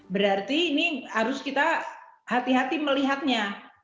berarti ini harus kita hati hati melihatnya